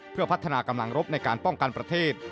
เพื่อพัฒนากำลังรบในการป้องกันประเทศ